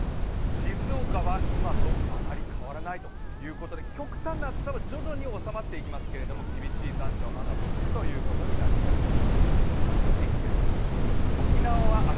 静岡は今とあまり変わらないということで極端な暑さは徐々に収まっていきますが厳しい残暑はまだ続くということになりそうです。